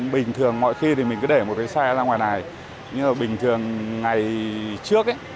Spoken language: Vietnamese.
bình thường mọi khi thì mình cứ để một cái xe ra ngoài này nhưng bình thường ngày trước